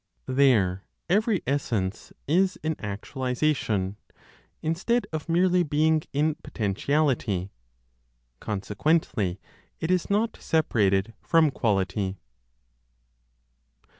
There every essence is in actualization, instead of merely being in potentiality; consequently it is not separated from quality.